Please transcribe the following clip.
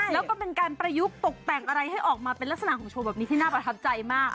แล้วก็เป็นการประยุกต์ตกแต่งอะไรให้ออกมาเป็นลักษณะของโชว์แบบนี้ที่น่าประทับใจมาก